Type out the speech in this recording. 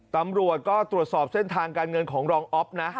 ตำรวจก็ตรวจสอบเส้นทางการเงินของรองอ๊อฟนะ